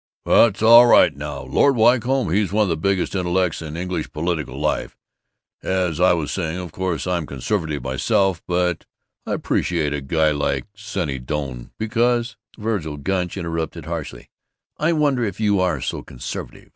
"That's all right now! Lord Wycombe, he's one of the biggest intellects in English political life. As I was saying: Of course I'm conservative myself, but I appreciate a guy like Senny Doane because " Vergil Gunch interrupted harshly, "I wonder if you are so conservative?